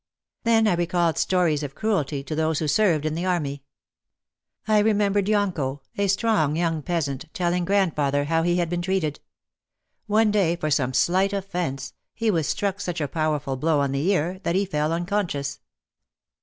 Then I recalled stories of cruelty to those who served in the army. I remembered Yonko, a strong young peasant, telling grandfather how he had been treated. One day, for some slight offence, he was struck such a powerful blow on the ear that he fell unconscious.